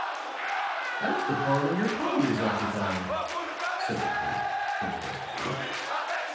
"That's the parlor your party is occupying," said the clerk, interestedly.